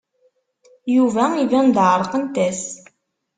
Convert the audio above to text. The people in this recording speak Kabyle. Yuba iban-d ɛerqent-as.